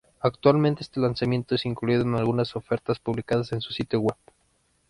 Actualmente este lanzamiento es incluido en algunas ofertas publicadas en su sitio web.